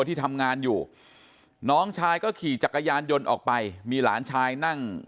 ที่ทำงานอยู่น้องชายก็ขี่จักรยานยนต์ออกไปมีหลานชายนั่ง